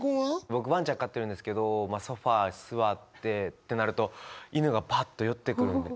僕ワンちゃん飼ってるんですけどソファー座ってってなると犬がパッと寄ってくるんで。